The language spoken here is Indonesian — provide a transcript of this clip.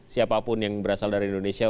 siapapun yang berasal dari indonesia